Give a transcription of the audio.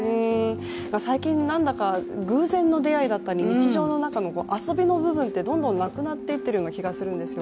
最近、なんだか偶然の出会いだったり日常の中の遊びの部分って、どんどんなくなっていっているような気がするんですよ。